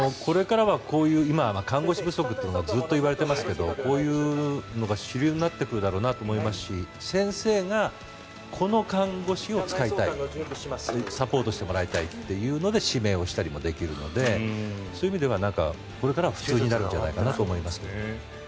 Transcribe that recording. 今、看護師不足というのがずっといわれていますがこういうのが主流になってくるだろうなと思いますし先生がこの看護師を使いたいサポートしてもらいたいというので指名したりもできるのでそういう意味ではこれからは普通になるんじゃないかなと思いますけど。